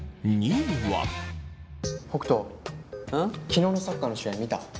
昨日のサッカーの試合見た？